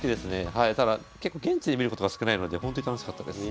ただ結構現地で見ることが少ないのでほんとに楽しかったです。